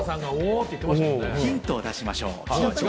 ヒントを出しましょう。